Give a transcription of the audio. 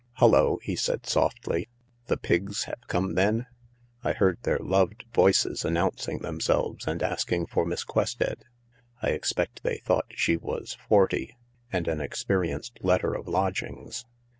"Hullo," he said softly, "the Pigs have come then? I heard their loved voices announcing themselves and asking for Miss Quested. I expect they thought she was forty— and an experienced letter of lodgings."